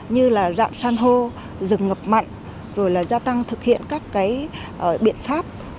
như là dạng san hô rừng ngập mặn rồi là gia tăng thực hiện các biện pháp